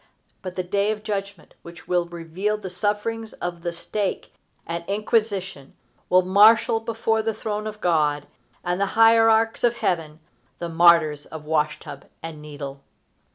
But the day of judgment, which will reveal the sufferings of the stake and inquisition, will marshal before the throne of God and the hierarchs of heaven the martyrs of wash tub and needle.